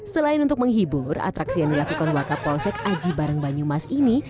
selain untuk menghibur atraksi yang dilakukan wakapolsek aji barang banyumas ini